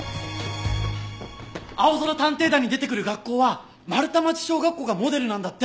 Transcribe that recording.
『あおぞら探偵団』に出てくる学校は丸太町小学校がモデルなんだって！